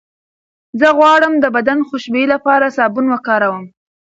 زه غواړم د بدن خوشبویۍ لپاره سابون وکاروم.